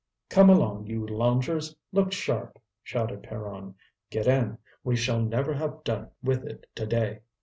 "Come along, you loungers, look sharp!" shouted Pierron. "Get in; we shall never have done with it today."